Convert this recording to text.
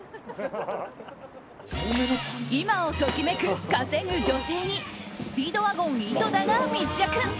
今を時めく稼ぐ女性にスピードワゴン井戸田が密着。